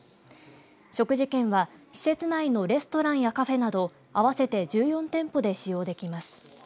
食事券は施設内のレストランやカフェなど合わせて１４店舗で使用できます。